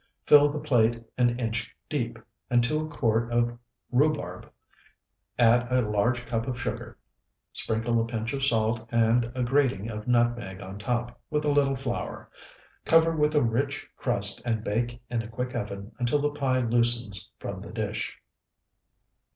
Fill the plate an inch deep, and to a quart of rhubarb add a large cup of sugar. Sprinkle a pinch of salt, and a grating of nutmeg on top, with a little flour. Cover with a rich crust and bake in a quick oven until the pie loosens from the dish.